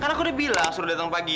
karena aku udah bilang suruh datang pagi